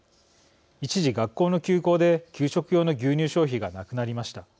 一時、学校の休校で給食用の牛乳消費がなくなりました。